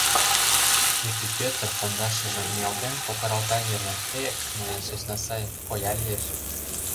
Епи Пӧтыр, пондашыжым ниялтен, кокыралта веле: Эк, мыйын сӧсна сай, коя лиеш...